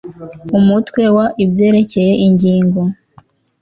umutwe wa ibyerekeye ingingo